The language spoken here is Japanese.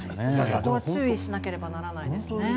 そこは注意しなければならないですね。